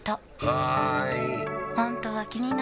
はーい！